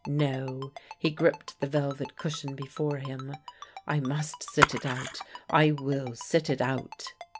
No; he gripped the velvet cushion before him. "I must sit it out. I will sit it out."